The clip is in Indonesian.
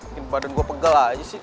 mungkin badan gue pegel aja sih